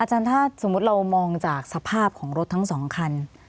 อาจารย์ถ้าสมมติเรามองจากสภาพของรถทั้ง๒คัน